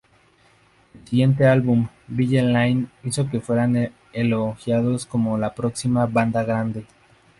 El siguiente álbum, "Villa Elaine", hizo que fueran elogiados como la próxima "banda grande".